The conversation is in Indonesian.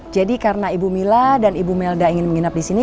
jadi karena ibu mila dan ibu melda ingin menginap disini